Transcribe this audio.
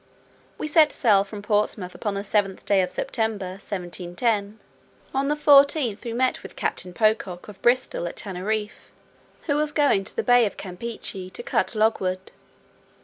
We set sail from Portsmouth upon the 7th day of August, 1710; on the 14th we met with Captain Pocock, of Bristol, at Teneriffe, who was going to the bay of Campechy to cut logwood.